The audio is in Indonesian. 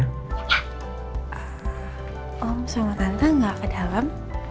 ah om sama tante nggak ke dalam